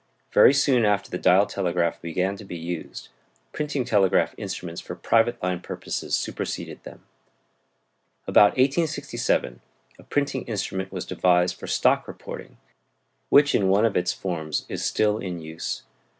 Very soon after the dial telegraph began to be used, printing telegraph instruments for private line purposes superseded them. About 1867 a printing instrument was devised for stock reporting, which in one of its forms is still in use.